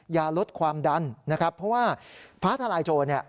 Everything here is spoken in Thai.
อย่าลดความดันนะครับเพราะว่าฟ้าทลายโจรเนี่ย